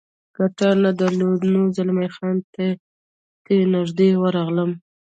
ګټه نه درلوده، نو زلمی خان ته نږدې ورغلم.